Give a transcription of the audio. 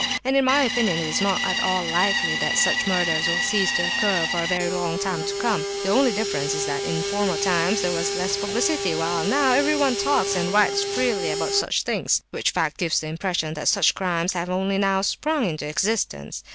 And in my opinion it is not at all likely that such murders will cease to occur for a very long time to come. The only difference is that in former times there was less publicity, while now everyone talks and writes freely about such things—which fact gives the impression that such crimes have only now sprung into existence.